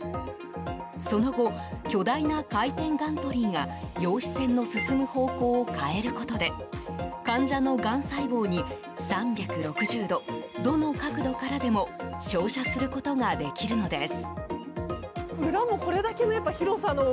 その後、巨大な回転ガントリーが陽子線の進む方向を変えることで患者のがん細胞に３６０度どの角度からでも照射することができるのです。